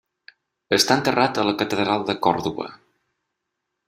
Està enterrat a la Catedral de Còrdova.